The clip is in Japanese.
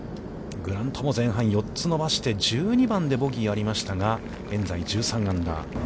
グラントも前半４つ伸ばして、１２番でボギーがありましたが、現在１３アンダー。